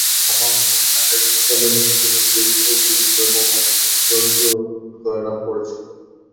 জাপানি সেনারা স্থল এবং সমুদ্র উভয়ই দ্রুত এবং অপ্রতিরোধ্য জয়লাভ করেছিল।